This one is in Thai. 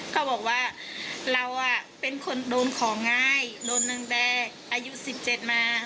เขาบอกว่าเราเป็นคนโดนของ่ายโดนหนึ่งแดกอายุสิบเจ็ดมา